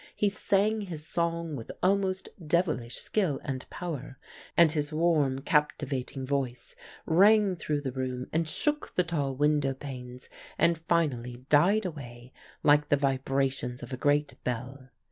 He sang his song with almost devilish skill and power; and his warm, captivating voice rang through the room and shook the tall window panes, and finally died away like the vibrations of a great bell.